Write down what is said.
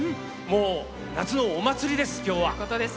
もう、夏のお祭りです、今日は。